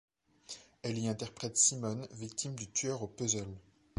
Elle y interprète Simone, victime du tueur au puzzle.